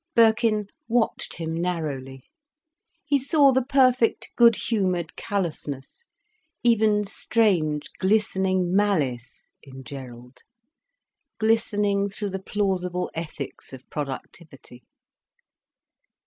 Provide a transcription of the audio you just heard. Birkin watched him narrowly. He saw the perfect good humoured callousness, even strange, glistening malice, in Gerald, glistening through the plausible ethics of productivity.